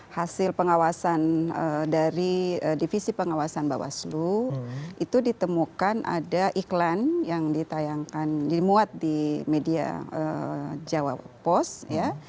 hasil pengawasan dari divisi pengawasan bawaslu itu ditemukan ada iklan yang ditayangkan dimuat di media jawa post ya